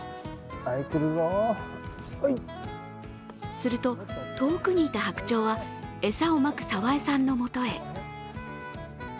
すると、遠くにいた白鳥は餌をまく澤江さんのもとへ。